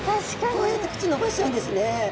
こうやって口伸ばしちゃうんですね。